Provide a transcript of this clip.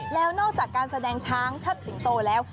แล้วนอกจากการแสดงช้างเชิดสิงโตแล้ว